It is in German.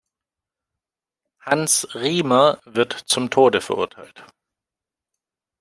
Hans Riemer wird zum Tode verurteilt.